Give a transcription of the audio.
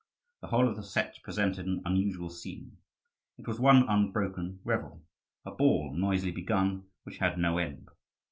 The whole of the Setch presented an unusual scene: it was one unbroken revel; a ball noisily begun, which had no end.